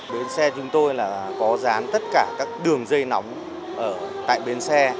bến xe chúng tôi có dán tất cả các đường dây nóng tại bến xe